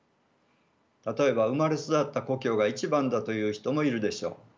例えば生まれ育った故郷が一番だという人もいるでしょう。